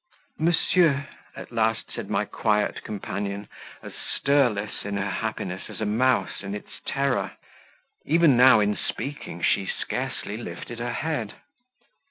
"Monsieur," at last said my quiet companion, as stirless in her happiness as a mouse in its terror. Even now in speaking she scarcely lifted her head.